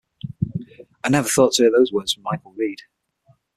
I never thought to hear those words from Michael Reid.